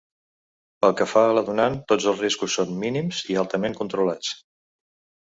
Pel que fa a la donant, tots els riscos són mínims i altament controlats.